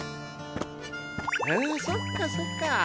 あそっかそっか。